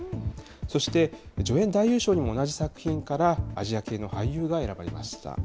そして、助演男優賞にも同じ作品から、アジア系の俳優が選ばれました。